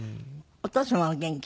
お父様はお元気？